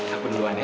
aku duluan ya